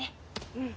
うん。